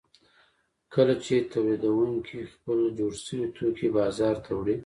کله چې تولیدونکي خپل جوړ شوي توکي بازار ته وړي